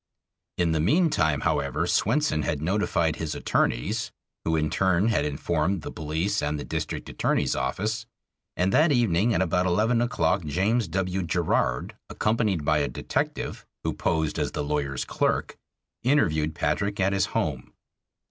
In the meantime, however, Swenson had notified his attorneys, who in turn had informed the police and the District Attorney's office, and that evening at about eleven o'clock James W. Gerard, accompanied by a detective, who posed as the lawyer's clerk, interviewed Patrick at his home.